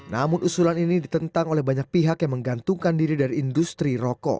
namun usulan ini ditentang oleh banyak pihak yang menggantungkan diri dari industri rokok